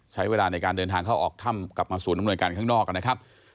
ใช้เวลาในการเดินทางเข้าออกถ้ำกลับมาศูนย์อำนวยการข้างนอกนะครับ